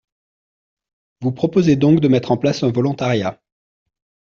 Vous proposez donc de mettre en place un volontariat.